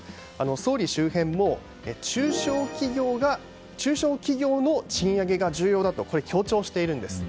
総理周辺も中小企業の賃上げが重要だと強調しているんです。